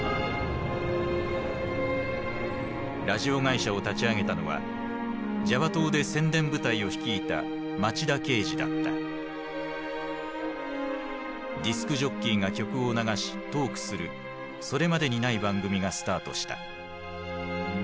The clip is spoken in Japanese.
ラジオ会社を立ち上げたのはジャワ島で宣伝部隊を率いたディスクジョッキーが曲を流しトークするそれまでにない番組がスタートした。